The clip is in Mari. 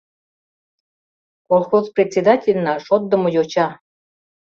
— Колхоз председательна, шотдымо йоча.